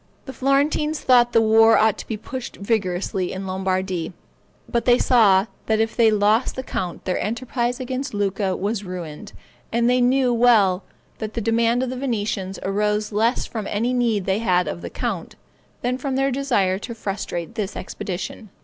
The Florentines thought the war ought to be pushed vigorously in Lombardy; but they saw that if they lost the count their enterprise against Lucca was ruined; and they knew well that the demand of the Venetians arose less from any need they had of the count, than from their desire to frustrate this expedition.